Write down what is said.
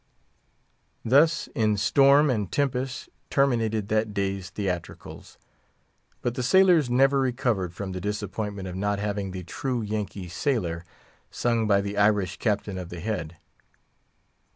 Thus, in storm and tempest terminated that day's theatricals. But the sailors never recovered from the disappointment of not having the "True Yankee Sailor" sung by the Irish Captain of the Head.